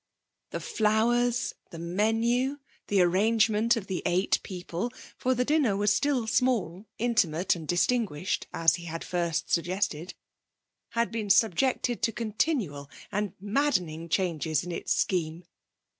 The flowers, the menu, the arrangement of the eight people for the dinner was still small, intimate and distinguished, as he had first suggested had been subjected to continual and maddening changes in its scheme.